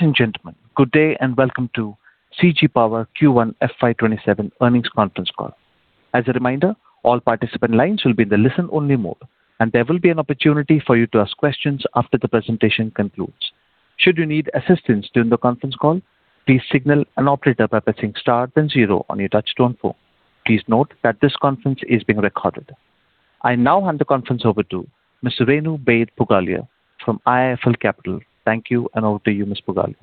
Ladies and gentlemen, good day and welcome to CG Power Q1 FY 2027 earnings conference call. As a reminder, all participant lines will be in the listen-only mode and there will be an opportunity for you to ask questions after the presentation concludes. Should you need assistance during the conference call, please signal an operator by pressing star then zero on your touchtone phone. Please note that this conference is being recorded. I now hand the conference over to Ms. Renu Baid Pugalia from IIFL Capital. Thank you, and over to you, Ms. Pugalia.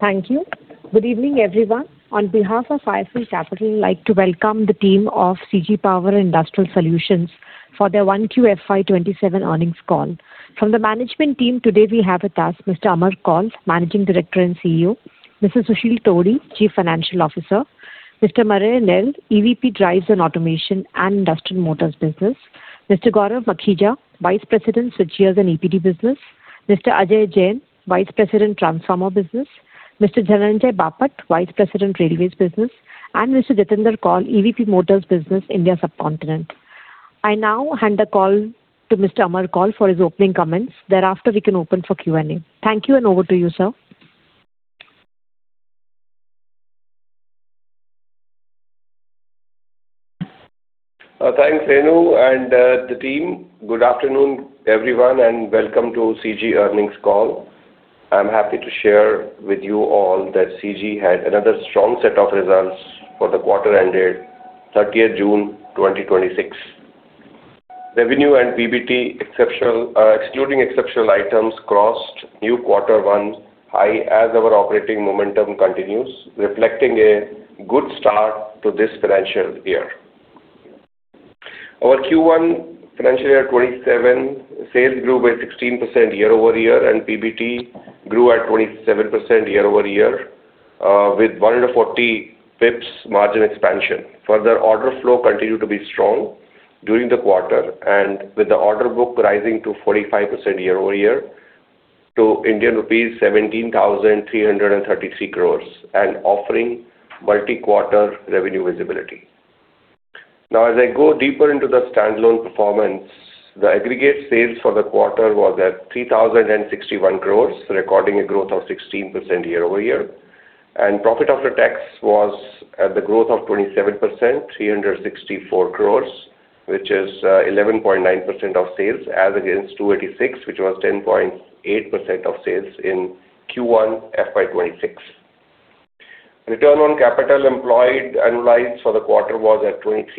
Thank you. Good evening, everyone. On behalf of IIFL Capital, I'd like to welcome the team of CG Power & Industrial Solutions for their Q1 FY 2027 earnings call. From the management team, today we have with us Mr. Amar Kaul, Managing Director and CEO; Mr. Susheel Todi, Chief Financial Officer; Mr. Marais Nel, EVP, Drives & Automation and International Motors Business; Mr. Gaurav Makhija, Vice President, Switchgears and EPD Business; Mr. Ajay Jain, Vice President, Transformer Business; Mr. Dhananjay Bapat, Vice President, Railways Business; and Mr. Jatinder Kaul, EVP, Motors Business (India Sub-continent). I now hand the call to Mr. Amar Kaul for his opening comments. Thereafter, we can open for Q&A. Thank you, and over to you, sir. Thanks, Renu and the team. Good afternoon, everyone, and welcome to CG earnings call. I'm happy to share with you all that CG had another strong set of results for the quarter ended 30th June 2026. Revenue and PBT, excluding exceptional items, crossed new quarter one's high as our operating momentum continues, reflecting a good start to this financial year. Our Q1 FY 2027 sales grew by 16% year-over-year, PBT grew at 27% year-over-year, with 140 basis points margin expansion. Order flow continued to be strong during the quarter and with the order book rising to 45% year-over-year to Indian rupees 17,333 crore and offering multi-quarter revenue visibility. As I go deeper into the standalone performance, the aggregate sales for the quarter was at 3,061 crore, recording a growth of 16% year-over-year. Profit after tax was at the growth of 27%, 364 crore, which is 11.9% of sales as against 286 crore, which was 10.8% of sales in Q1 FY 2026. Return on capital employed analyzed for the quarter was at 23%,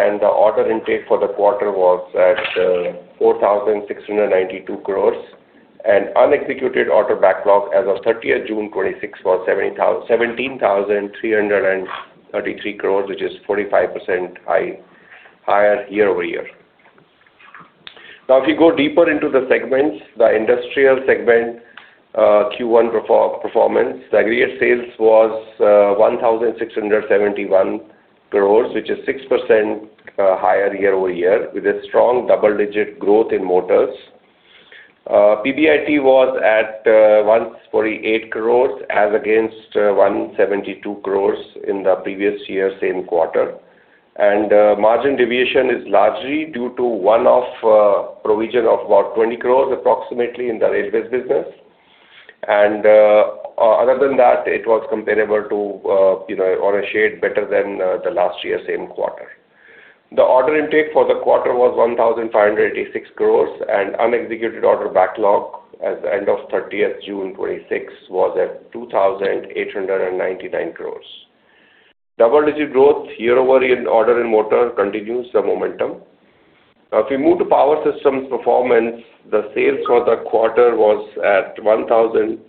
and the order intake for the quarter was at 4,692 crore and unexecuted order backlog as of 30th June 2026 was 17,333 crore, which is 45% higher year-over-year. If you go deeper into the segments, the Industrial segment Q1 performance, the aggregate sales was 1,671 crore, which is 6% higher year-over-year with a strong double-digit growth in motors. PBIT was at 148 crore as against 172 crore in the previous year same quarter. Margin deviation is largely due to one-off provision of about 20 crore approximately in the railways business. Other than that it was comparable to, or a shade better than, the last year same quarter. The order intake for the quarter was 1,586 crore and unexecuted order backlog as at end of 30th June 2026 was at 2,899 crore. Double-digit growth year-over-year in order in motor continues the momentum. If we move to Power Systems performance, the sales for the quarter was at 1,402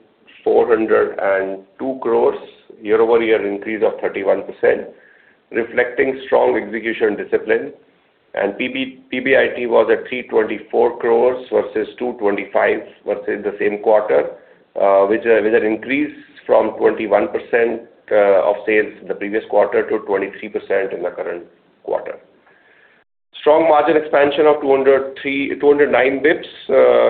crore, year-over-year increase of 31%, reflecting strong execution discipline. PBIT was at 324 crore versus 225 versus the same quarter, with an increase from 21% of sales in the previous quarter to 23% in the current quarter. Strong margin expansion of 209 basis points,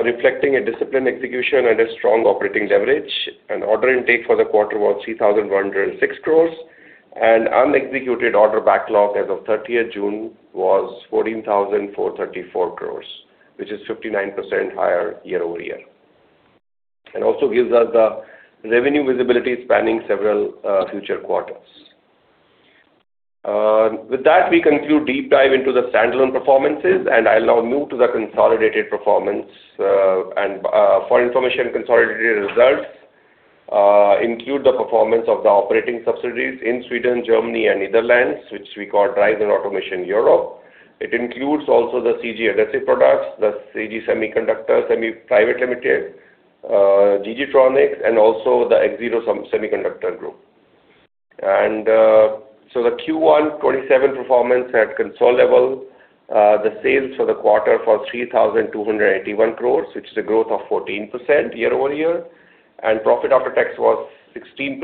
reflecting a disciplined execution and a strong operating leverage. Order intake for the quarter was 3,106 crore and unexecuted order backlog as of 30th June was 14,434 crore, which is 59% higher year-over-year. It also gives us the revenue visibility spanning several future quarters. With that, we conclude deep dive into the standalone performances, and I'll now move to the consolidated performance. For information, consolidated results include the performance of the operating subsidiaries in Sweden, Germany and Netherlands, which we call Drives & Automation Europe. It includes also the CG aggressive products, the CG Semi Private Limited, G.G. Tronics, and also the Exero Semiconductor Group. The Q1 FY 2027 performance at consolidated level, the sales for the quarter was 3,281 crore, which is a growth of 14% year-over-year. Profit after tax was 16%,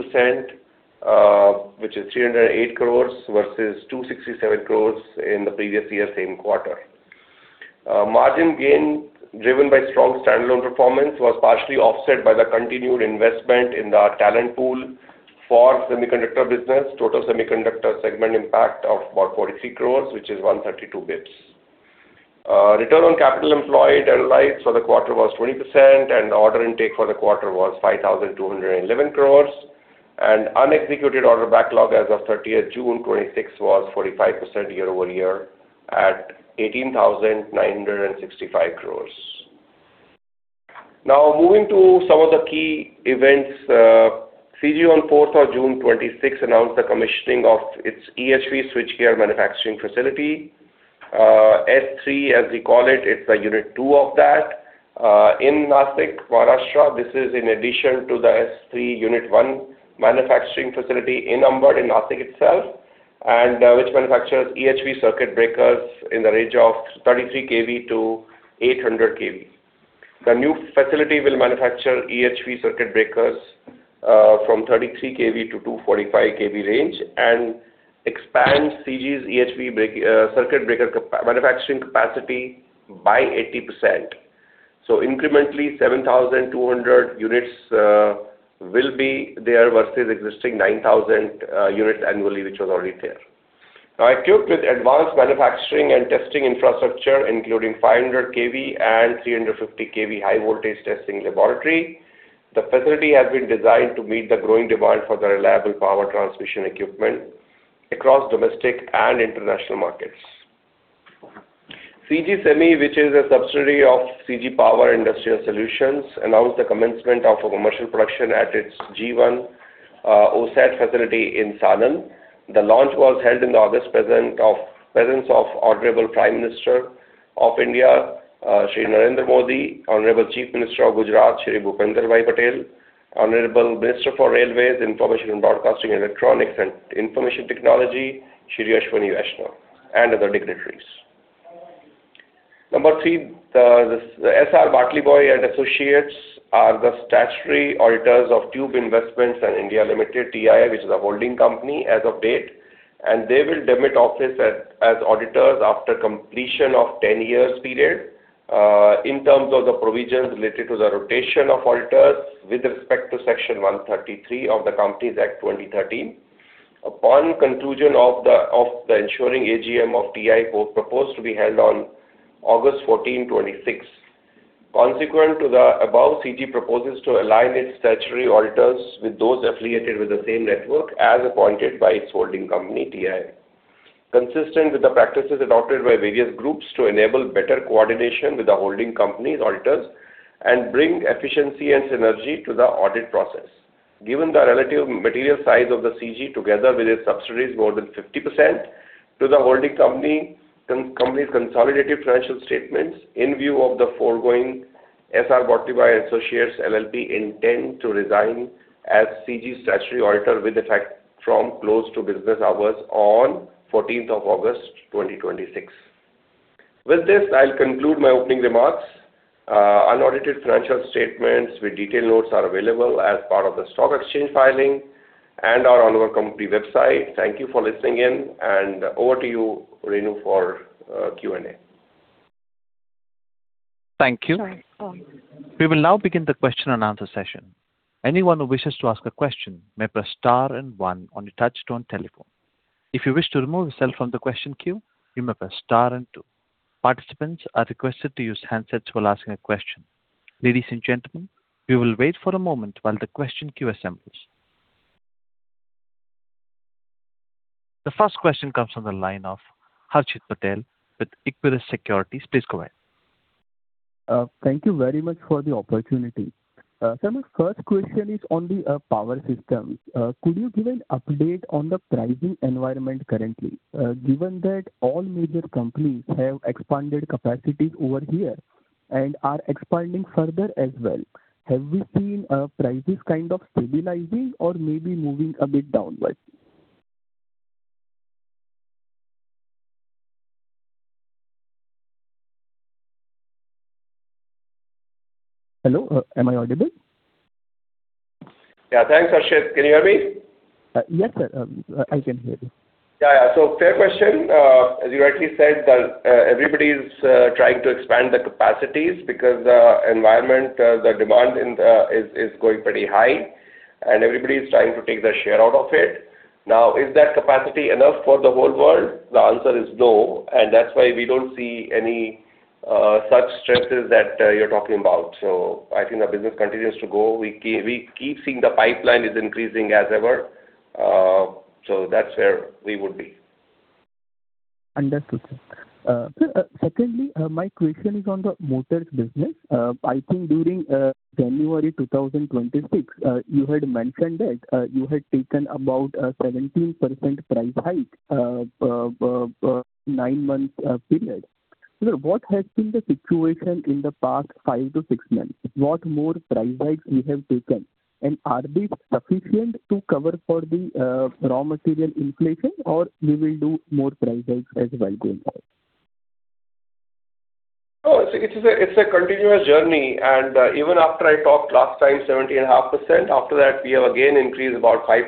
which is 308 crore versus 267 crore in the previous year same quarter. Margin gain driven by strong standalone performance was partially offset by the continued investment in the talent pool for Semiconductor business. Total Semiconductor segment impact of about 43 crore, which is 132 basis points. Return on capital employed annualized for the quarter was 20%, and order intake for the quarter was 5,211 crore. Unexecuted order backlog as of 30th June 2026 was 45% year-over-year at 18,965 crore. Moving to some of the key events. CG on 4th of June 2026 announced the commissioning of its EHV switchgear manufacturing facility. S3, as we call it's the Unit-II of that in Nashik, Maharashtra. This is in addition to the S3 Unit-I manufacturing facility in Ambad, in Nashik itself, and which manufactures EHV circuit breakers in the range of 33 kV-800 kV. The new facility will manufacture EHV circuit breakers from 33 kV-245 kV range and expand CG's EHV circuit breaker manufacturing capacity by 80%. So incrementally, 7,200 units will be there versus existing 9,000 units annually, which was already there. Now equipped with advanced manufacturing and testing infrastructure, including 500 kV and 350 kV high voltage testing laboratory. The facility has been designed to meet the growing demand for the reliable power transmission equipment across domestic and international markets. CG Semi, which is a subsidiary of CG Power and Industrial Solutions, announced the commencement of a commercial production at its G1 OSAT facility in Sanand. The launch was held in the august presence of Honorable Prime Minister of India, Shri Narendra Modi, Honorable Chief Minister of Gujarat, Shri Bhupendra Patel, Honorable Minister for Railways, Information and Broadcasting, Electronics and Information Technology, Shri Ashwini Vaishnaw, and other dignitaries. Number three, S.R. Batliboi & Associates are the statutory auditors of Tube Investments of India Limited, TII, which is a holding company as of date. They will demit office as auditors after completion of 10-year period, in terms of the provisions related to the rotation of auditors with respect to Section 139 of the Companies Act, 2013. Upon conclusion of the ensuing AGM of TII proposed to be held on August 14, 2026. Consequent to the above, CG proposes to align its statutory auditors with those affiliated with the same network as appointed by its holding company, TII. Consistent with the practices adopted by various groups to enable better coordination with the holding company's auditors and bring efficiency and synergy to the audit process. Given the relative material size of the CG together with its subsidiaries, more than 50% to the holding company's consolidated financial statements. In view of the foregoing, S.R. Batliboi & Associates LLP intend to resign as CG's statutory auditor with effect from close to business hours on 14th of August 2026. With this, I'll conclude my opening remarks. Unaudited financial statements with detailed notes are available as part of the stock exchange filing and are on our company website. Thank you for listening in, and over to you, Renu, for Q&A. Thank you. We will now begin the question and answer session. Anyone who wishes to ask a question may press star one on your touchtone telephone. If you wish to remove yourself from the question queue, you may press star two. Participants are requested to use handsets while asking a question. Ladies and gentlemen, we will wait for a moment while the question queue assembles. The first question comes from the line of Harshit Patel with Equirus Securities. Please go ahead. Thank you very much for the opportunity. Sir, my first question is on the power system. Could you give an update on the pricing environment currently? Given that all major companies have expanded capacities over here and are expanding further as well, have we seen prices kind of stabilizing or maybe moving a bit downward? Hello, am I audible? Thanks, Harshit. Can you hear me? Yes, sir. I can hear you. Fair question. As you rightly said, everybody's trying to expand the capacities because the environment, the demand is going pretty high, and everybody's trying to take their share out of it. Is that capacity enough for the whole world? The answer is no, and that's why we don't see any such stresses that you're talking about. I think the business continues to go. We keep seeing the pipeline is increasing as ever. That's where we would be. Understood, sir. Sir, secondly, my question is on the motors business. I think during January 2026, you had mentioned that you had taken about a 17% price hike, nine-month period. Sir, what has been the situation in the past five to six months? What more price hikes you have taken, are they sufficient to cover for the raw material inflation, or we will do more price hikes as well going forward? No, it's a continuous journey. Even after I talked last time, 17.5%, after that, we have again increased about 5%.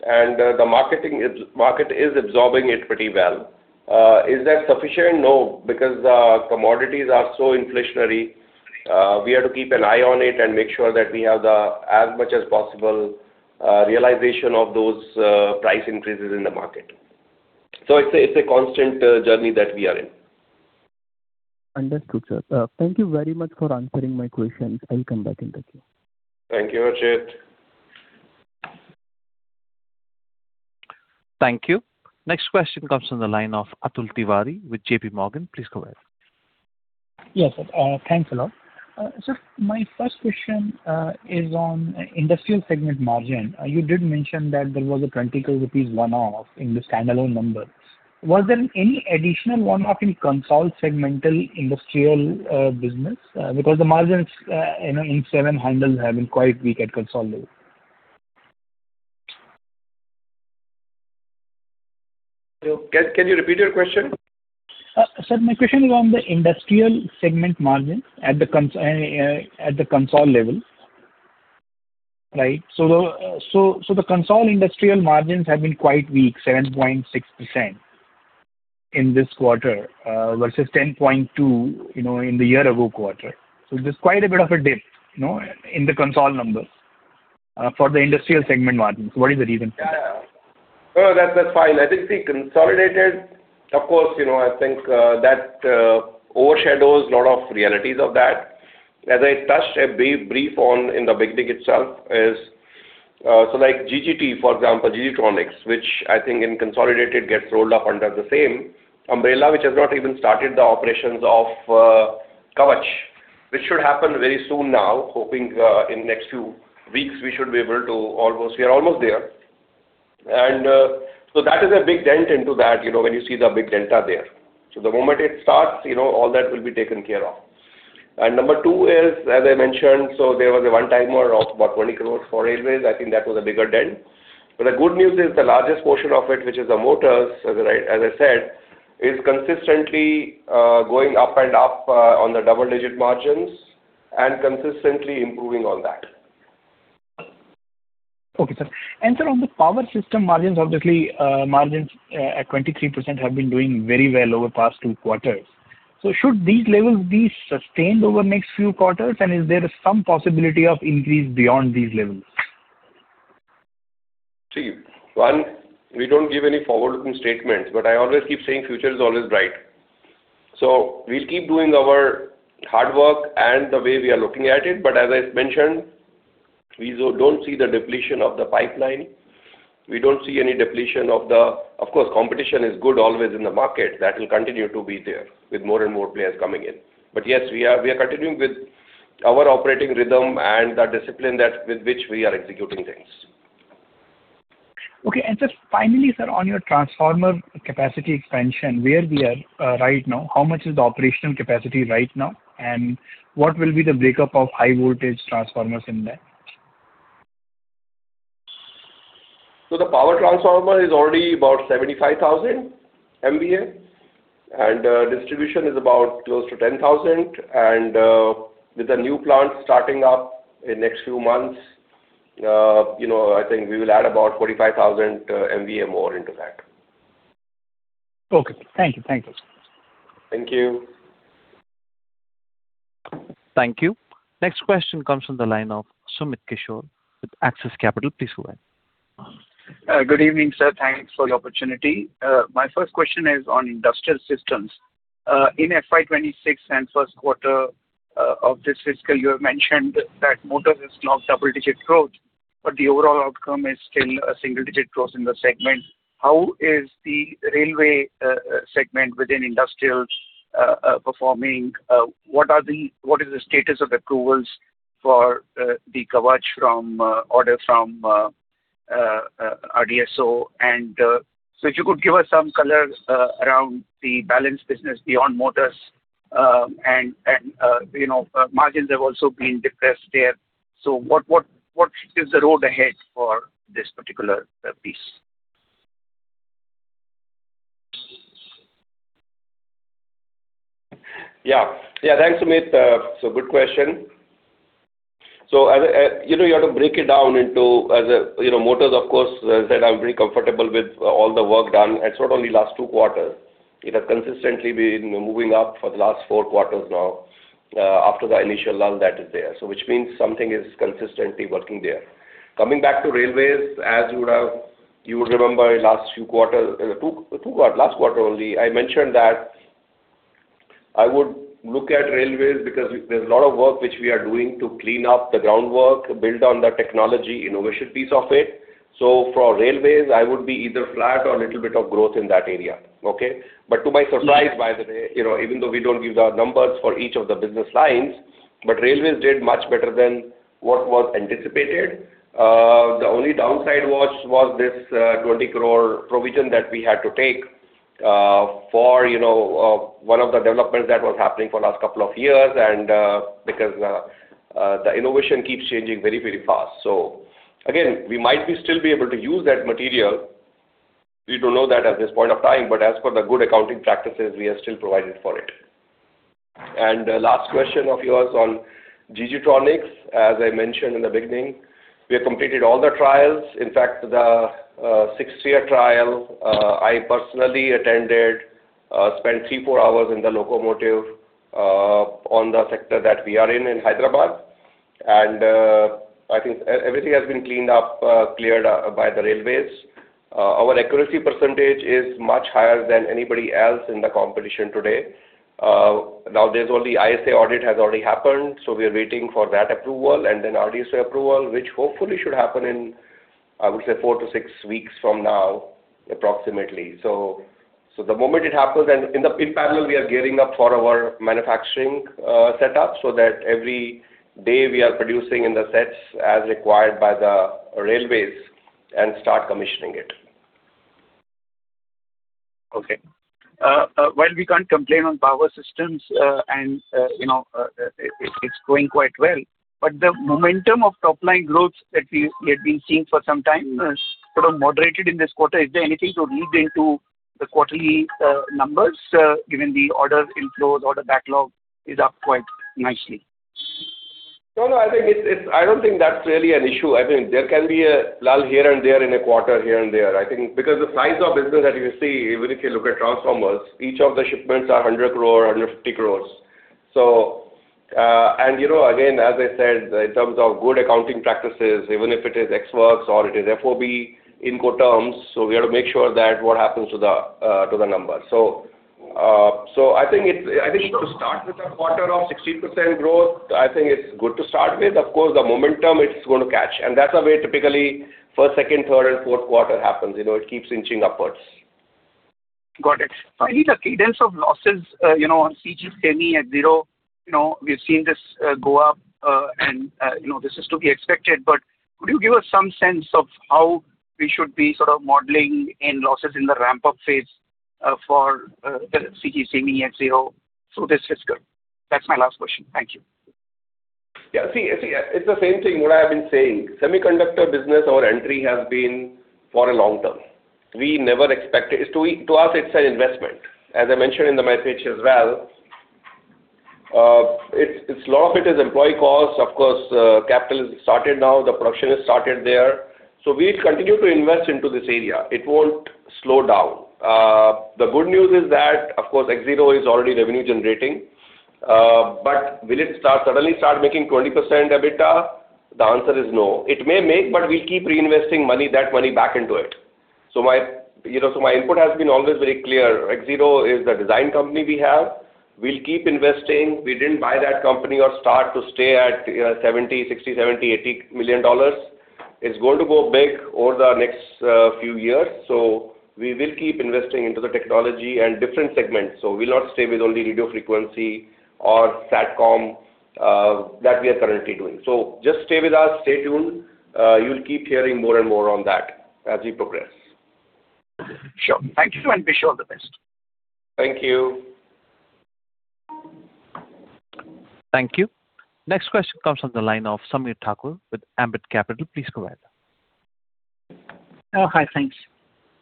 The market is absorbing it pretty well. Is that sufficient? No, because the commodities are so inflationary. We have to keep an eye on it and make sure that we have as much as possible realization of those price increases in the market. It's a constant journey that we are in. Understood, sir. Thank you very much for answering my questions. I'll come back in the queue. Thank you, Harshit. Thank you. Next question comes from the line of Atul Tiwari with JPMorgan. Please go ahead. Yes, sir. Thanks a lot. Sir, my first question is on Industrial segment margin. You did mention that there was an 20 crore rupees one-off in the standalone numbers. Was there any additional one-off in consolidated segmental Industrial business? Because the margins in 700 have been quite weak at consolidated. Can you repeat your question? Sir, my question is on the Industrial segment margin at the consolidated level. The consolidated Industrial margins have been quite weak, 7.6% in this quarter, versus 10.2% in the year-ago quarter. There's quite a bit of a dip in the consolidated numbers for the Industrial segment margins. What is the reason for that? No, that's fine. I think the consolidated, of course, I think that overshadows a lot of realities of that. As I touched a brief on in the beginning itself is, like GGT, for example, G.G. Tronics, which I think in consolidated gets rolled up under the same umbrella, which has not even started the operations of Kavach, which should happen very soon now, hoping in the next few weeks. We are almost there. That is a big dent into that, when you see the big delta there. The moment it starts, all that will be taken care of. Number two is, as I mentioned, there was a one-timer of about 20 crore for railways. I think that was a bigger dent. The good news is the largest portion of it, which is the motors, as I said, is consistently going up and up on the double-digit margins and consistently improving on that. Okay, sir. Sir, on the power system margins, obviously margins at 23% have been doing very well over the past two quarters. Should these levels be sustained over the next few quarters, and is there some possibility of increase beyond these levels? See, one, we don't give any forward-looking statements, I always keep saying future is always bright. We'll keep doing our hard work and the way we are looking at it. As I mentioned, we don't see the depletion of the pipeline. We don't see any depletion. Of course, competition is good always in the market. That will continue to be there with more and more players coming in. Yes, we are continuing with our operating rhythm and the discipline that with which we are executing things. Okay. Sir, finally, sir, on your transformer capacity expansion, where we are right now, how much is the operational capacity right now, and what will be the breakup of high voltage transformers in that? The power transformer is already about 75,000 MVA, and distribution is about close to 10,000 MVA. With the new plant starting up in the next few months, I think we will add about 45,000 MVA more into that. Okay. Thank you. Thank you. Thank you. Next question comes from the line of Sumit Kishore with Axis Capital. Please go ahead. Good evening, sir. Thanks for the opportunity. My first question is on Industrial Systems. In FY 2026 and first quarter of this fiscal, you have mentioned that motors is now double-digit growth, but the overall outcome is still a single-digit growth in the segment. How is the railway segment within Industrials performing? What is the status of approvals for the Kavach order from RDSO? If you could give us some color around the balance business beyond motors, and margins have also been depressed there. What is the road ahead for this particular piece? Thanks, Sumit. It is a good question. You have to break it down into, motors, of course, as I said, I am pretty comfortable with all the work done. It is not only last two quarters. It has consistently been moving up for the last four quarters now after the initial lull that is there. Which means something is consistently working there. Coming back to railways, as you would remember in last few quarters, last quarter only, I mentioned that I would look at railways because there is a lot of work which we are doing to clean up the groundwork, build on the technology innovation piece of it. For railways, I would be either flat or a little bit of growth in that area. Okay. To my surprise, by the way, even though we do not give the numbers for each of the business lines, railways did much better than what was anticipated. The only downside was this 20 crore provision that we had to take for one of the developments that was happening for the last couple of years, and because the innovation keeps changing very fast. Again, we might still be able to use that material. We do not know that at this point of time, but as per the good accounting practices, we have still provided for it. Last question of yours on G.G. Tronics, as I mentioned in the beginning, we have completed all the trials. In fact, the sixth year trial, I personally attended, spent three, four hours in the locomotive on the sector that we are in Hyderabad. I think everything has been cleaned up, cleared by the railways. Our accuracy percentage is much higher than anybody else in the competition today. The ISA audit has already happened, we are waiting for that approval and then RDSO approval, which hopefully should happen in, I would say, four to six weeks from now, approximately. The moment it happens, in parallel, we are gearing up for our manufacturing setup, so that every day we are producing in the sets as required by the railways and start commissioning it. Okay. While we can't complain on Power Systems, it's going quite well, the momentum of top-line growth that we had been seeing for some time sort of moderated in this quarter. Is there anything to read into the quarterly numbers, given the orders inflows, order backlog is up quite nicely? No, I don't think that's really an issue. I think there can be a lull here and there in a quarter, here and there. I think because the size of business that you see, even if you look at transformers, each of the shipments are 100 crore, 150 crore. Again, as I said, in terms of good accounting practices, even if it is ex works or it is FOB incoterms, we have to make sure that what happens to the number. I think to start with a quarter of 16% growth, I think it's good to start with. Of course, the momentum, it's going to catch. That's the way typically first, second, third, and fourth quarter happens. It keeps inching upwards. Got it. Finally, the cadence of losses, on CG Semi and Exero, we've seen this go up, this is to be expected, could you give us some sense of how we should be sort of modeling in losses in the ramp-up phase for the CG Semi and Exero through this fiscal? That's my last question. Thank you. Yeah. See, it's the same thing, what I have been saying. Semiconductor business or entry has been for a long term. To us, it's an investment. As I mentioned in the message as well, a lot of it is employee cost. Of course, capital is started now. The production has started there. We'll continue to invest into this area. It won't slow down. The good news is that, of course, Exero is already revenue generating. Will it suddenly start making 20% EBITDA? The answer is no. It may make, we'll keep reinvesting that money back into it. My input has been always very clear. Exero is the design company we have. We'll keep investing. We didn't buy that company or start to stay at $60, $70, $80 million. It's going to go big over the next few years. We will keep investing into the technology and different segments. We'll not stay with only radio frequency or Satcom that we are currently doing. Just stay with us, stay tuned. You'll keep hearing more and more on that as we progress. Sure. Thank you, and wish you all the best. Thank you. Thank you. Next question comes on the line of Sameer Thakur with Ambit Capital. Please go ahead. Hi, thanks.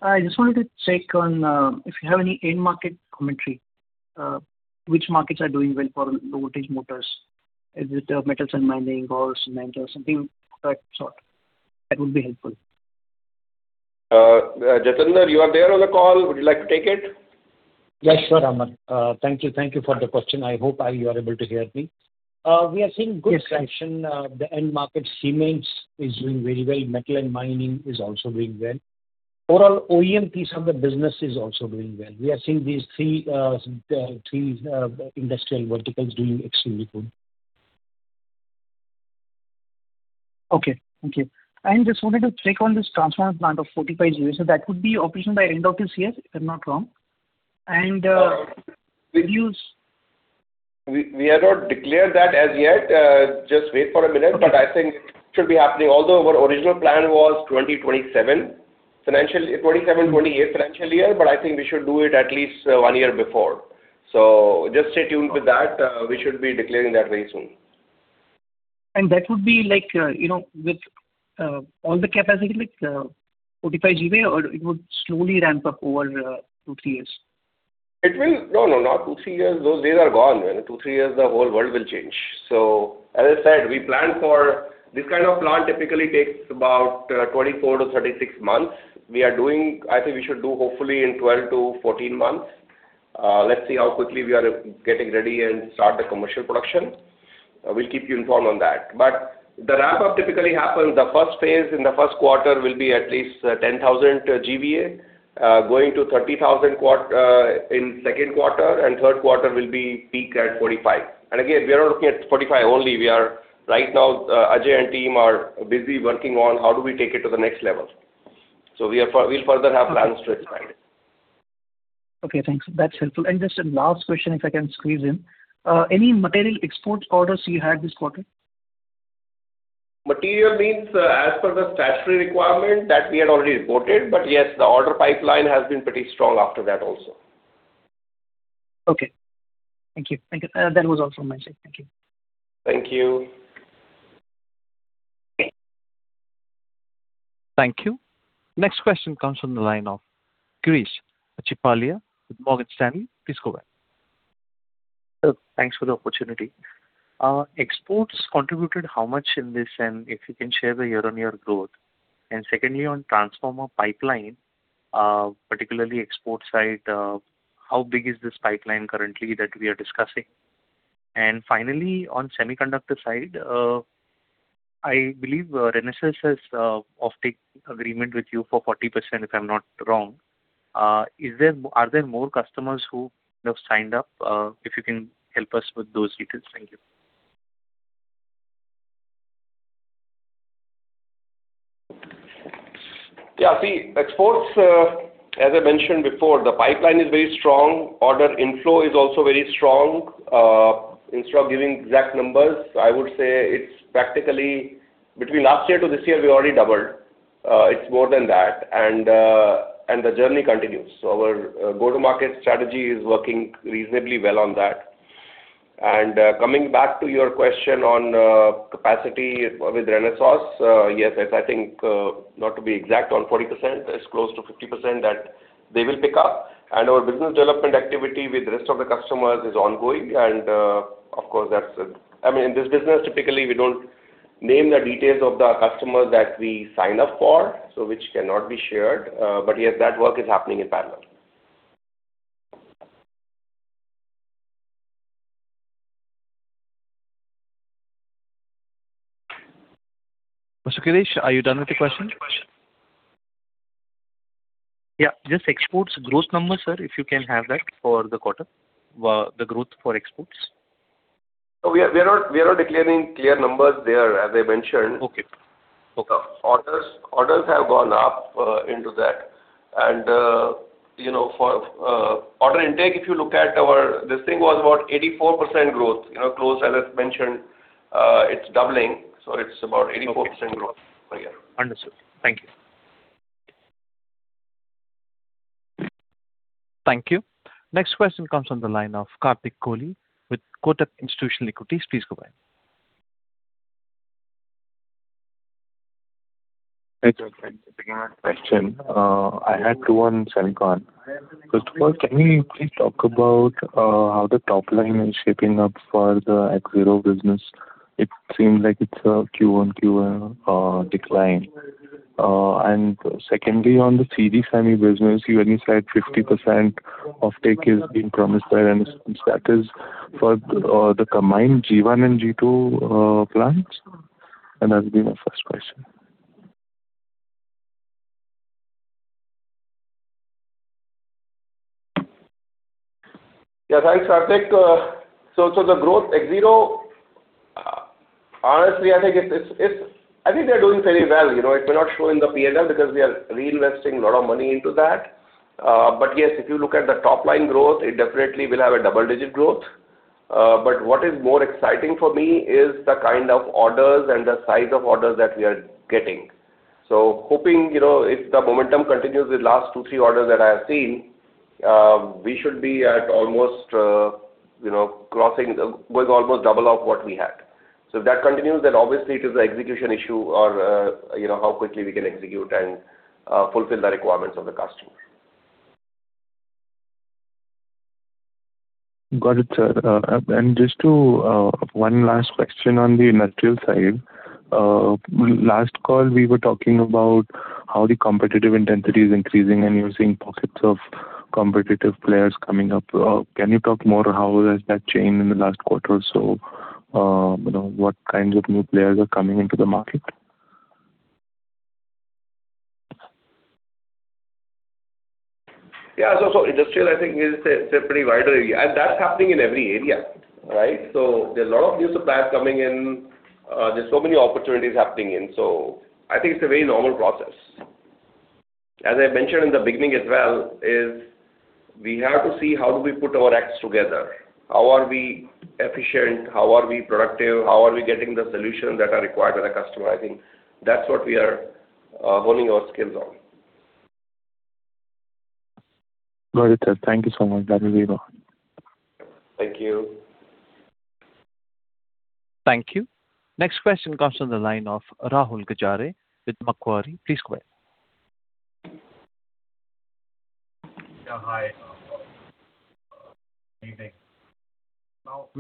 I just wanted to check on if you have any end market commentary. Which markets are doing well for low voltage motors? Is it metals and mining, or cement or something of that sort? That would be helpful. Jatinder, you are there on the call. Would you like to take it? Yes, sure, Amar. Thank you. Thank you for the question. I hope you are able to hear me. We are seeing good traction. The end market cements is doing very well. Metal and mining is also doing well. Overall, OEM piece of the business is also doing well. We are seeing these three Industrial verticals doing extremely good. Okay. Thank you. I just wanted to check on this transformer plant of 45 GVA. That would be operational by end of this year, if I'm not wrong. Would you- We have not declared that as yet. Just wait for a minute, I think it should be happening. Although our original plan was 2027, 2028 financial year, I think we should do it at least one year before. Just stay tuned with that. We should be declaring that very soon. That would be with all the capacity, like 45 GVA or it would slowly ramp up over two, three years? No, not two, three years. Those days are gone. Two, three years, the whole world will change. As I said, we plan. This kind of plant typically takes about 24-36 months. I think we should do hopefully in 12-14 months. Let's see how quickly we are getting ready and start the commercial production. We'll keep you informed on that. The ramp-up typically happens, the first phase in the first quarter will be at least 10,000 MVA, going to 30,000 MVA in second quarter, and third quarter will be peak at 45 GVA. Again, we are not looking at 45 GVA only. Right now, Ajay and team are busy working on how do we take it to the next level. We'll further have plans to expand it. Okay, thanks. That's helpful. Just a last question, if I can squeeze in. Any material export orders you had this quarter? Material means as per the statutory requirement, that we had already reported. Yes, the order pipeline has been pretty strong after that also. Okay. Thank you. That was all from my side. Thank you. Thank you. Thank you. Next question comes from the line of Girish Achhipalia with Morgan Stanley. Please go ahead. Sir, thanks for the opportunity. Exports contributed how much in this, if you can share the year-on-year growth. Secondly, on transformer pipeline, particularly export side, how big is this pipeline currently that we are discussing? Finally, on Semiconductor side, I believe Renesas has offtake agreement with you for 40%, if I'm not wrong. Are there more customers who have signed up? If you can help us with those details. Thank you. Yeah. See, exports, as I mentioned before, the pipeline is very strong. Order inflow is also very strong. Instead of giving exact numbers, I would say it's practically between last year to this year, we already doubled. It's more than that, the journey continues. Our go-to-market strategy is working reasonably well on that. Coming back to your question on capacity with Renesas, yes, I think, not to be exact on 40%, it's close to 50% that they will pick up. Our business development activity with the rest of the customers is ongoing. Of course, in this business, typically, we don't name the details of the customers that we sign up for, which cannot be shared. Yes, that work is happening in parallel. Mr. Girish, are you done with your question? Yeah. Just exports growth number, sir, if you can have that for the quarter, the growth for exports. No, we are not declaring clear numbers there, as I mentioned. Okay. Orders have gone up into that. For order intake, if you look at our This thing was about 84% growth. Close, as I've mentioned, it's doubling, so it's about 84% growth per year. Understood. Thank you. Thank you. Next question comes on the line of Kartik Kohli with Kotak Institutional Equities. Please go ahead. Hey, sir. Thanks for taking my question. I had two on Semiconductor. First of all, can we please talk about how the top line is shaping up for the Exero business? It seems like it's a Q1 decline. Secondly, on the CG Semi business, you only said 50% offtake is being promised by Renesas. That is for the combined G1 and G2 plants? That will be my first question. Thanks, Kartik. The growth, Exero, honestly, I think they're doing fairly well. It may not show in the P&L because we are reinvesting a lot of money into that. Yes, if you look at the top-line growth, it definitely will have a double-digit growth. What is more exciting for me is the kind of orders and the size of orders that we are getting. Hoping, if the momentum continues with last two, three orders that I have seen, we should be at almost crossing, with almost double of what we had. If that continues, then obviously it is the execution issue or how quickly we can execute and fulfill the requirements of the customer. Got it, sir. Just one last question on the Industrial side. Last call, we were talking about how the competitive intensity is increasing, and you're seeing pockets of competitive players coming up. Can you talk more how has that changed in the last quarter or so? What kinds of new players are coming into the market? Industrial, I think, it's a pretty wide area, and that's happening in every area, right? There's a lot of new suppliers coming in. There's so many opportunities happening in. I think it's a very normal process. As I mentioned in the beginning as well, is we have to see how do we put our acts together. How are we efficient? How are we productive? How are we getting the solutions that are required by the customer? I think that's what we are honing our skills on. Got it, sir. Thank you so much. That will be all. Thank you. Thank you. Next question comes from the line of Rahul Gajare with Macquarie. Please go ahead. Yeah. Hi. Good evening.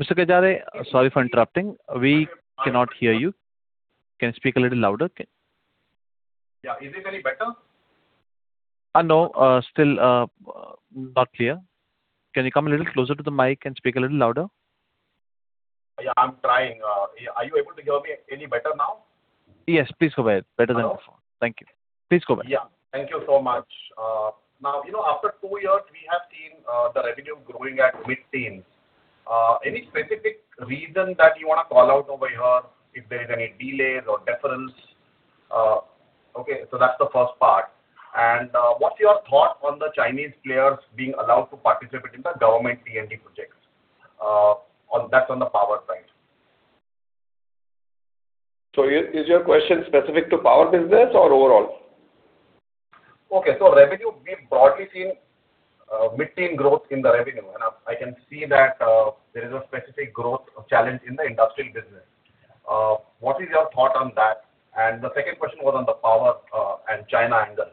Mr. Gajare, sorry for interrupting. We cannot hear you. Can you speak a little louder? Yeah. Is it any better? No. Still not clear. Can you come a little closer to the mic and speak a little louder? Yeah, I'm trying. Are you able to hear me any better now? Yes. Please go ahead. Better now. Hello. Thank you. Please go ahead. Thank you so much. After two years, we have seen the revenue growing at mid-teens. Any specific reason that you want to call out over here if there is any delays or deferrals? That's the first part. What's your thought on the Chinese players being allowed to participate in the government T&D projects? That's on the power side. Is your question specific to power business or overall? Revenue, we've broadly seen mid-teen growth in the revenue, I can see that there is a specific growth challenge in the Industrial business. What is your thought on that? The second question was on the power and China angle.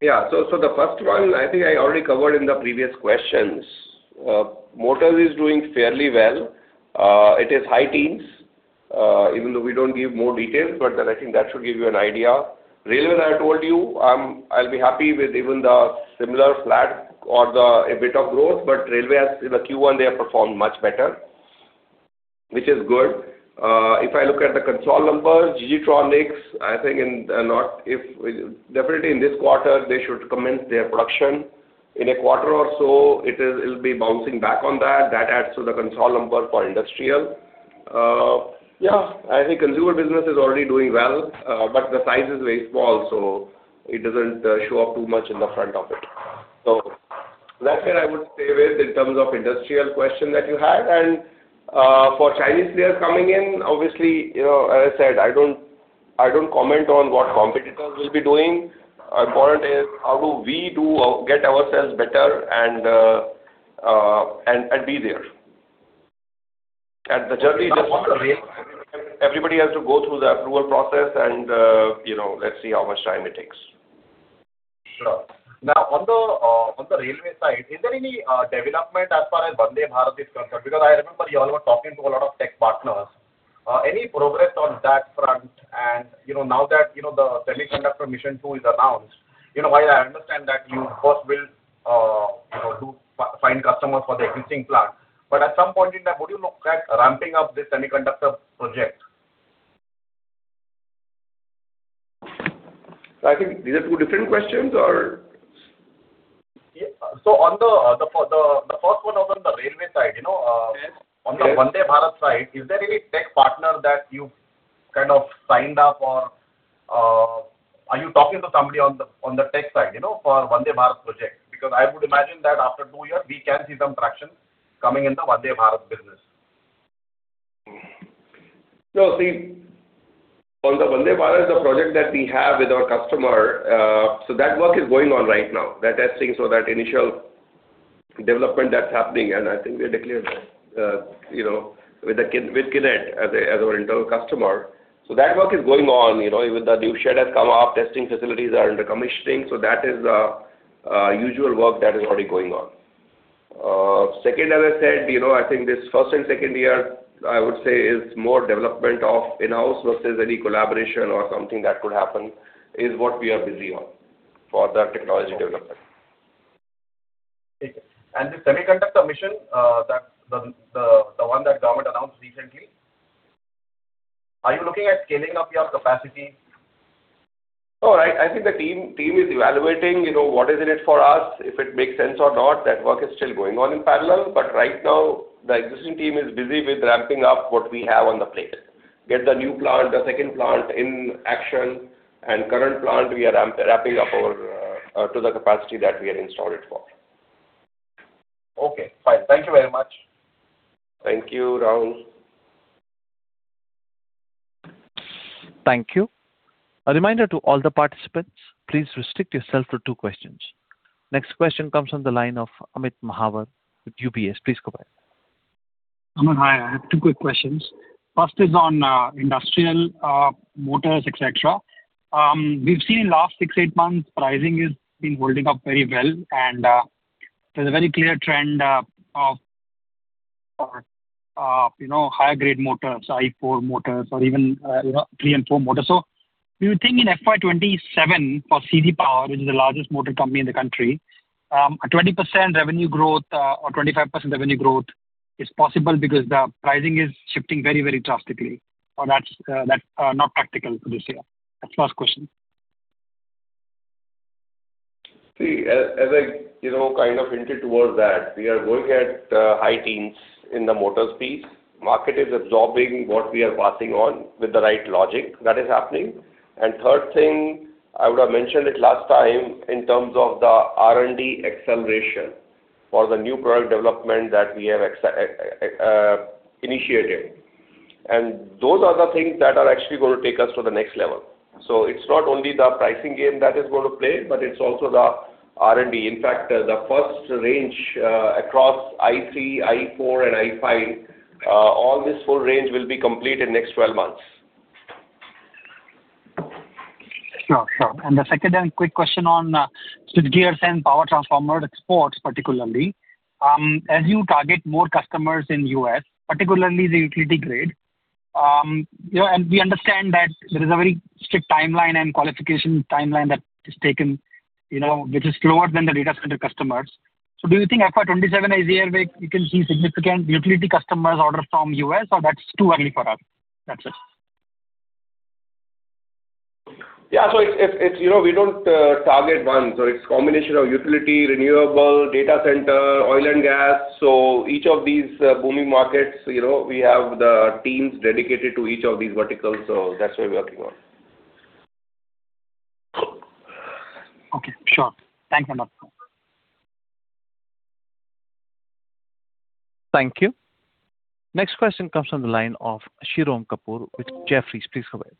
The first one, I think I already covered in the previous questions. Motors is doing fairly well. It is high teens, even though we don't give more details, but then I think that should give you an idea. Railway, I told you, I'll be happy with even the similar flat or a bit of growth, but railway, in the Q1 they have performed much better, which is good. If I look at the console numbers, G.G. Tronics, definitely in this quarter, they should commence their production. In a quarter or so, it'll be bouncing back on that. That adds to the console number for Industrial. I think consumer business is already doing well, but the size is very small, so it doesn't show up too much in the front of it. That's where I would stay with in terms of Industrial question that you had. For Chinese players coming in, obviously, as I said, I don't comment on what competitors will be doing. Important is, how do we get ourselves better and be there? The journey everybody has to go through the approval process and let's see how much time it takes. Sure. Now on the railway side, is there any development as far as Vande Bharat is concerned? I remember you all were talking to a lot of tech partners. Any progress on that front? Now that the Semiconductor Mission 2 is announced, while I understand that you first will find customers for the existing plant, but at some point in time, would you look at ramping up this Semiconductor project? I think these are two different questions. Yes. The first one was on the railway side. Yes. On the Vande Bharat side, is there any tech partner that you've signed up, or are you talking to somebody on the tech side for Vande Bharat project? I would imagine that after two years we can see some traction coming in the Vande Bharat business. No. See, on the Vande Bharat, the project that we have with our customer, that work is going on right now, that testing. That initial development that's happening, and I think we had declared that, with Kinetic as our internal customer. That work is going on. Even the new shed has come up, testing facilities are under commissioning. That is usual work that is already going on. Second, as I said, I think this first and second year, I would say is more development of in-house versus any collaboration or something that could happen is what we are busy on for the technology development. The Semiconductor Mission, the one that government announced recently. Are you looking at scaling up your capacity? No. I think the team is evaluating what is in it for us, if it makes sense or not. That work is still going on in parallel. Right now, the existing team is busy with ramping up what we have on the plate. Get the new plant, the second plant in action, and current plant, we are ramping up to the capacity that we had installed it for. Okay, fine. Thank you very much. Thank you, Rahul. Thank you. A reminder to all the participants, please restrict yourself to two questions. Next question comes from the line of Amit Mahawar with UBS. Please go ahead. Amit, hi. I have two quick questions. First is on Industrial motors, et cetera. We've seen in last six, eight months, pricing has been holding up very well, and there's a very clear trend of higher grade motors, IE4 motors, or even IE3 and IE4 motors. Do you think in FY 2027 for CG Power, which is the largest motor company in the country, a 20% revenue growth or 25% revenue growth is possible because the pricing is shifting very drastically? That's not practical for this year? That's the first question. See, as I hinted towards that, we are going at high teens in the motors piece. Market is absorbing what we are passing on with the right logic. That is happening. Third thing, I would have mentioned it last time in terms of the R&D acceleration for the new product development that we have initiated. Those are the things that are actually going to take us to the next level. It's not only the pricing game that is going to play, but it's also the R&D. In fact, the first range, across IE3, IE4, and IE5, all this full range will be complete in next 12 months. Sure. The second and quick question on switchgears and power transformer exports, particularly. As you target more customers in U.S., particularly the utility grade, and we understand that there is a very strict timeline and qualification timeline that is taken, which is slower than the data center customers. Do you think FY 2027 is the year where you can see significant utility customers order from U.S., or that's too early for us? That's it. Yeah. We don't target one. It's combination of utility, renewable, data center, oil and gas. Each of these booming markets, we have the teams dedicated to each of these verticals. That's where we're working on. Okay, sure. Thanks a lot. Thank you. Next question comes from the line of Shirom Kapur with Jefferies. Please go ahead.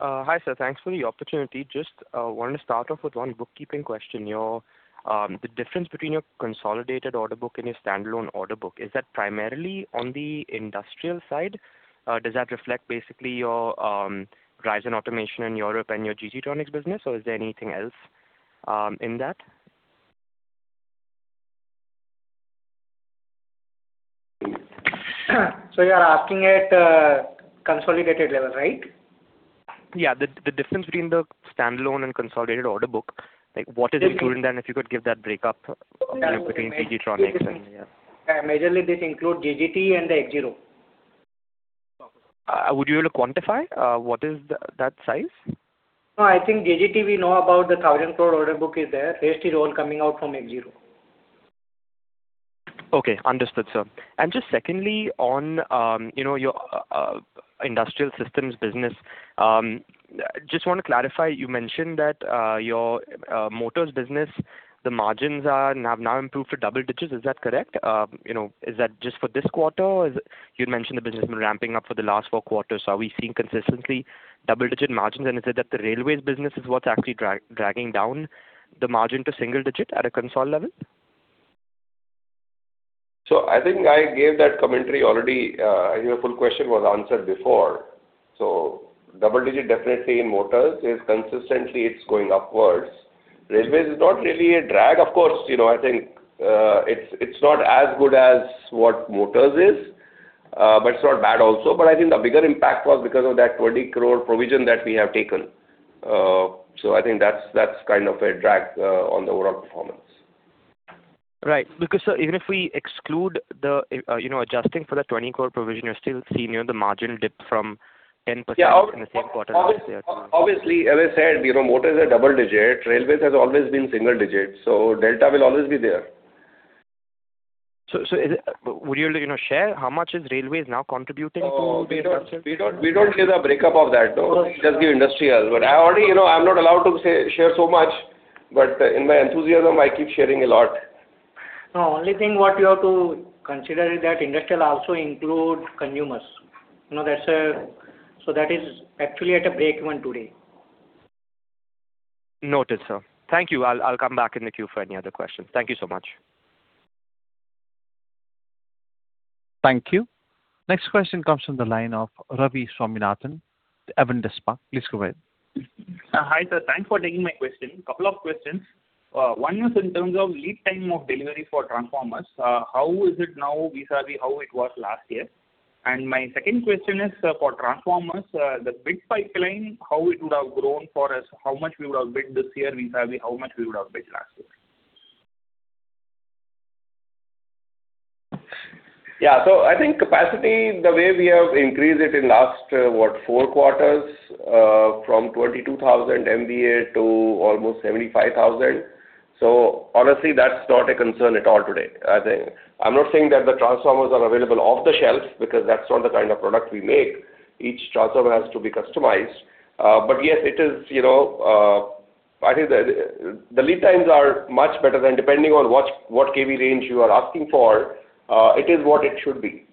Hi, sir. Thanks for the opportunity. Just wanted to start off with one bookkeeping question. The difference between your consolidated order book and your standalone order book, is that primarily on the Industrial side? Does that reflect basically your rising automation in Europe and your G.G. Tronics business, or is there anything else in that? You are asking at consolidated level, right? The difference between the standalone and consolidated order book. What is included in that? If you could give that breakup between G.G. Tronics and. Majorly this include GGT and the Exero. Would you be able to quantify what is that size? No, I think G.G. Tronics, we know about the 1,000 crore order book is there. Rest is all coming out from Exero. Okay. Understood, sir. Just secondly on your Industrial Systems business, just want to clarify, you mentioned that your motors business, the margins have now improved to double digits. Is that correct? Is that just for this quarter? You'd mentioned the business has been ramping up for the last four quarters. Are we seeing consistently double-digit margins, and is it that the railways business is what's actually dragging down the margin to single digit at a consolidated level? I think I gave that commentary already, your full question was answered before. Double digit definitely in motors. Consistently it's going upwards. Railways is not really a drag. Of course, I think it's not as good as what motors is, but it's not bad also. I think the bigger impact was because of that 20 crore provision that we have taken. I think that's kind of a drag on the overall performance. Right. Because, sir, even if we exclude adjusting for the 20 crore provision, you're still seeing the margin dip from 10% in the same quarter. As I said, motors are double digit. Railways has always been single digit, delta will always be there. Would you share how much is railways now contributing to the Industrial? We don't give the breakup of that, no. We just give Industrial. I'm not allowed to share so much, in my enthusiasm, I keep sharing a lot. No, only thing what you have to consider is that Industrial also include consumers. That is actually at a break even today. Noted, sir. Thank you. I'll come back in the queue for any other questions. Thank you so much. Thank you. Next question comes from the line of Ravi Swaminathan, Avendus Spark. Please go ahead. Hi, sir. Thanks for taking my question. Couple of questions. One is in terms of lead time of delivery for transformers. How is it now vis-à-vis how it was last year? My second question is for transformers, the bid pipeline, how it would have grown for us, how much we would have bid this year vis-à-vis how much we would have bid last year. Yeah. I think capacity, the way we have increased it in last, what, four quarters, from 22,000 MVA to almost 75,000 MVA. Honestly, that's not a concern at all today, I think. I'm not saying that the transformers are available off the shelf, because that's not the kind of product we make. Each transformer has to be customized. Yes, I think the lead times are much better than depending on what kV range you are asking for, it is what it should be.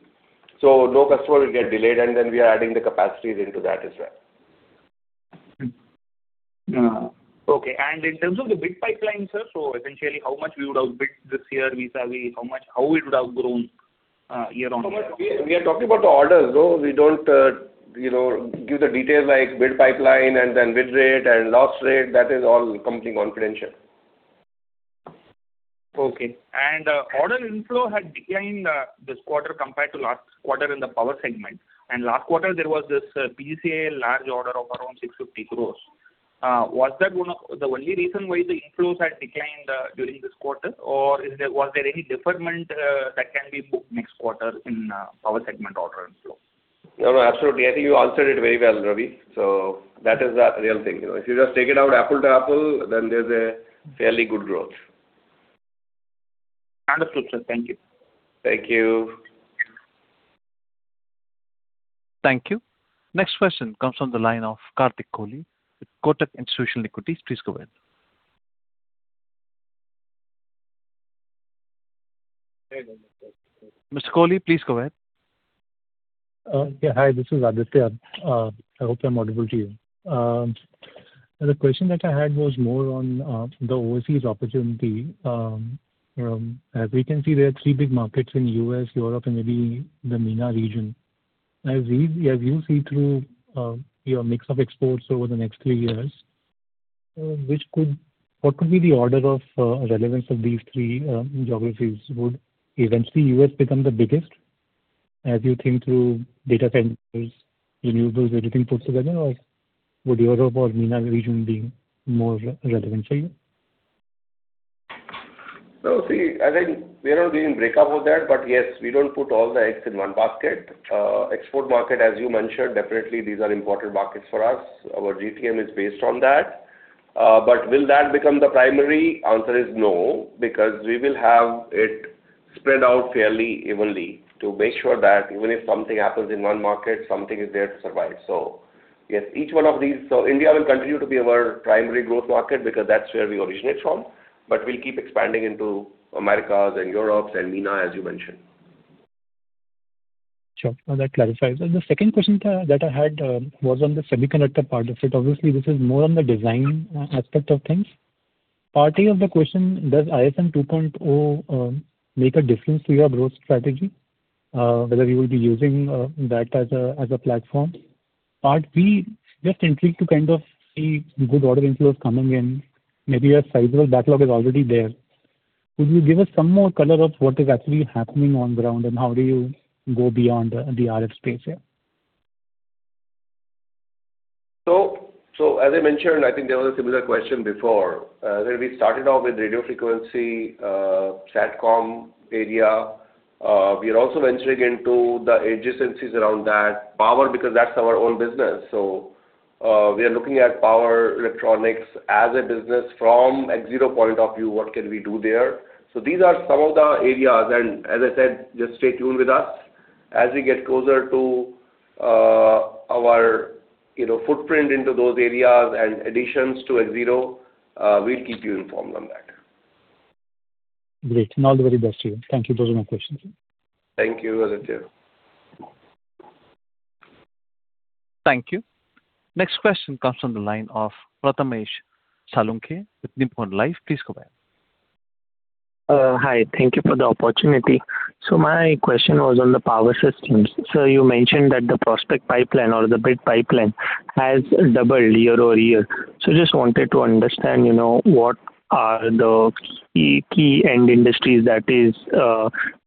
No customer will get delayed, and then we are adding the capacities into that as well. Okay. In terms of the bid pipeline, sir, essentially how much we would have bid this year vis-à-vis how it would have grown year-on-year? We are talking about the orders, no. We don't give the details like bid pipeline and then bid rate and loss rate. That is all company confidential. Okay. Order inflow had declined this quarter compared to last quarter in the power segment. Last quarter, there was this BCA large order of around 650 crore. Was that the only reason why the inflows had declined during this quarter, or was there any deferment that can be booked next quarter in power segment order inflow? No, no, absolutely. I think you answered it very well, Ravi. That is the real thing. If you just take it out apple to apple, there's a fairly good growth. Understood, sir. Thank you. Thank you. Thank you. Next question comes from the line of Kartik Kohli with Kotak Institutional Equities. Please go ahead. Mr. Kohli, please go ahead. Yeah. Hi, this is Aditya. I hope I'm audible to you. The question that I had was more on the overseas opportunity. As we can see, there are three big markets in U.S., Europe, and maybe the MENA region. As you see through your mix of exports over the next three years, what could be the order of relevance of these three geographies? Would eventually U.S. become the biggest as you think through data centers, renewables, everything put together, or would Europe or MENA region be more relevant for you? No. Yes, we don't put all the eggs in one basket. Export market, as you mentioned, definitely these are important markets for us. Our GTM is based on that. Will that become the primary? Answer is no, because we will have it spread out fairly evenly to make sure that even if something happens in one market, something is there to survive. Yes, each one of these. India will continue to be our primary growth market because that's where we originate from. We'll keep expanding into Americas and Europes and MENA, as you mentioned. Sure. No, that clarifies. The second question that I had was on the Semiconductor part of it. Obviously, this is more on the design aspect of things. Part A of the question, does ISM 2.0 make a difference to your growth strategy? Whether you will be using that as a platform. Part B, just intrigued to kind of see good order inflows coming in, maybe a sizable backlog is already there. Could you give us some more color of what is actually happening on ground and how do you go beyond the RF space here? As I mentioned, I think there was a similar question before. Where we started off with radio frequency, Satcom area. We are also venturing into the adjacencies around that. Power, because that's our own business. We are looking at power electronics as a business from Exero point of view, what can we do there? These are some of the areas and as I said, just stay tuned with us. As we get closer to our footprint into those areas and additions to Exero, we'll keep you informed on that. Great, all the very best to you. Thank you. Those are my questions. Thank you. Thank you. Next question comes from the line of Prathmesh Salunkhe with Nippon Life. Please go ahead. Hi. Thank you for the opportunity. My question was on the Power Systems. You mentioned that the prospect pipeline or the bid pipeline has doubled year-over-year. Just wanted to understand, what are the key end industries that is,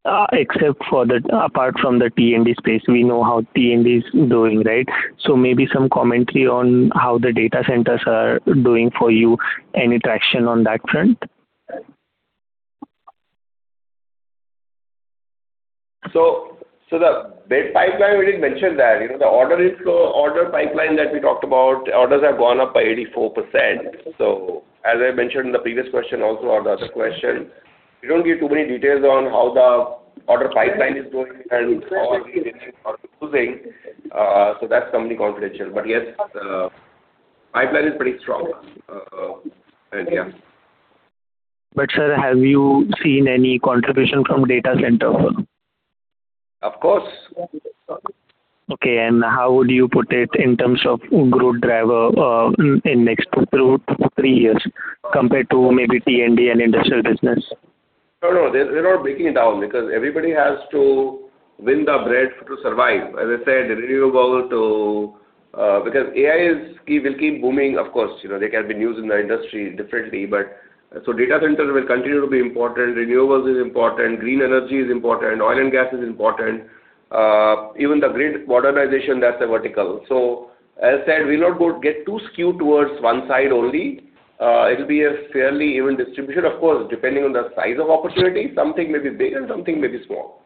apart from the T&D space, we know how T&D is doing, right? Maybe some commentary on how the data centers are doing for you. Any traction on that front? The bid pipeline, we didn't mention that. The order pipeline that we talked about, orders have gone up by 84%. As I mentioned in the previous question also or the other question, we don't give too many details on how the order pipeline is doing and how are we doing or losing. That's company confidential. Yes, pipeline is pretty strong. Sir, have you seen any contribution from data centers? Of course. Okay, how would you put it in terms of growth driver in next two to three years compared to maybe T&D and Industrial business? No, we're not breaking it down because everybody has to win the bread to survive. As I said, because AI will keep booming, of course. They can be used in the industry differently, data centers will continue to be important. Renewables is important, green energy is important, oil and gas is important. Even the grid modernization, that's a vertical. As I said, we'll not get too skewed towards one side only. It'll be a fairly even distribution. Of course, depending on the size of opportunity, something may be big and something may be small.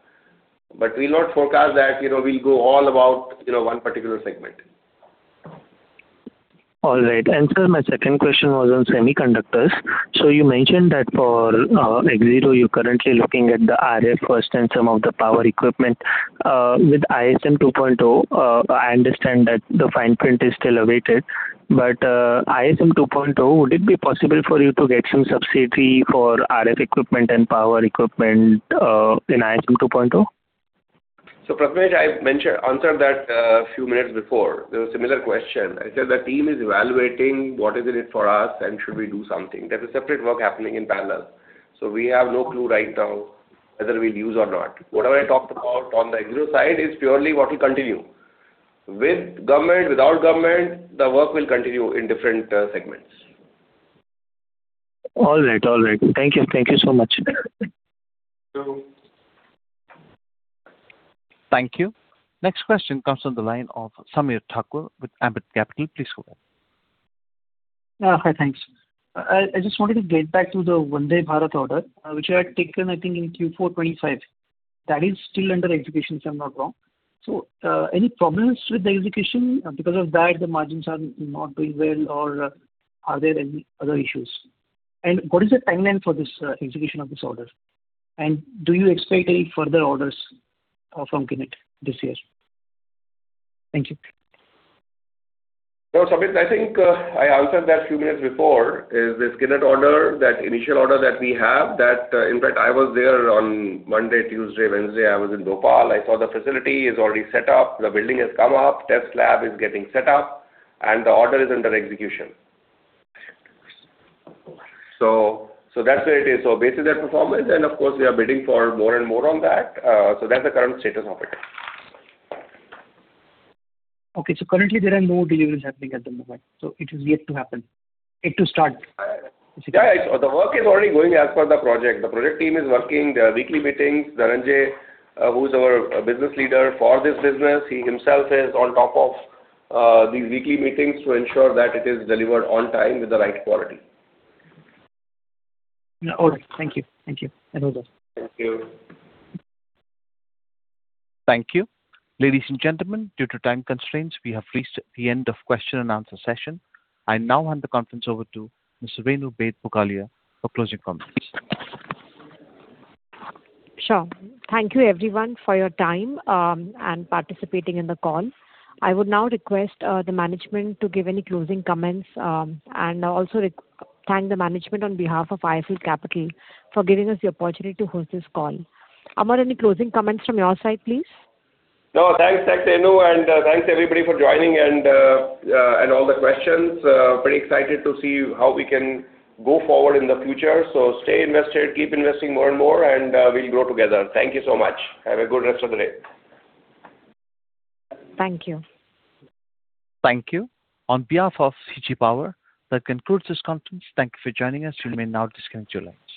We'll not forecast that we'll go all about one particular segment. All right. Sir, my second question was on Semiconductors. You mentioned that for Exero, you're currently looking at the RF first and some of the power equipment. With ISM 2.0, I understand that the fine print is still awaited, ISM 2.0, would it be possible for you to get some subsidy for RF equipment and power equipment in ISM 2.0? Prathmesh, I answered that a few minutes before. There was a similar question. I said the team is evaluating what is in it for us and should we do something. There's a separate work happening in parallel. We have no clue right now whether we'll use or not. Whatever I talked about on the Exero side is purely what will continue. With government, without government, the work will continue in different segments. All right. Thank you so much. Welcome. Thank you. Next question comes from the line of Sameer Thakur with Ambit Capital. Please go ahead. Hi, thanks. I just wanted to get back to the Vande Bharat order, which you had taken, I think, in Q4 FY 2025. That is still under execution, if I'm not wrong. Any problems with the execution because of that the margins are not doing well, or are there any other issues? What is the timeline for this execution of this order? Do you expect any further orders from Kinetic this year? Thank you. No, Sameer, I think I answered that a few minutes before, is this Kinetic order, that initial order that we have. In fact, I was there on Monday, Tuesday, Wednesday, I was in Bhopal. I saw the facility is already set up, the building has come up, test lab is getting set up, and the order is under execution. That's where it is. Based on their performance, and of course we are bidding for more and more on that. That's the current status of it. Okay, currently there are no deliveries happening at the moment. It is yet to happen, yet to start. Yeah. The work is already going as per the project. The project team is working, there are weekly meetings. Dhananjay, who's our business leader for this business, he himself is on top of these weekly meetings to ensure that it is delivered on time with the right quality. All right. Thank you. All the best. Thank you. Thank you. Ladies and gentlemen, due to time constraints, we have reached the end of question and answer session. I now hand the conference over to Ms. Renu Baid Pugalia for closing comments. Sure. Thank you everyone for your time, and participating in the call. I would now request the management to give any closing comments, and also thank the management on behalf of IIFL Capital for giving us the opportunity to host this call. Amar, any closing comments from your side, please? No. Thanks, Renu, and thanks everybody for joining and all the questions. Pretty excited to see how we can go forward in the future. Stay invested, keep investing more and more, and we'll grow together. Thank you so much. Have a good rest of the day. Thank you. Thank you. On behalf of CG Power, that concludes this conference. Thank you for joining us. You may now disconnect your lines.